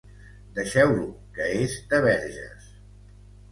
Deixeu-lo, que és de Verges!